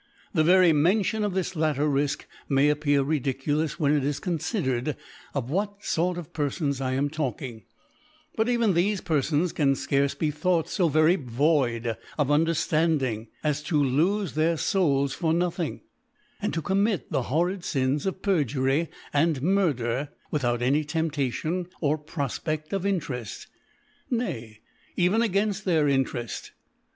The very Mention of this latter Rifque may appear ridiculous, when it is confidcred of what Sort of Per fons I am talking* But even thefe Pcrfons can fcarce be thought fo very void of Un derftanding as to lofe their Souls for no* thing, and to commit the horrid Sins of Perjury and Murder without any Temp' tation. Of Profpeft of Intereft, nay even a gainft their Intereft.